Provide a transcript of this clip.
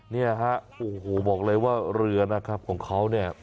เนี่ยฮะโอ้โหบอกเลยว่าเรือนะครับของเขาเนี่ย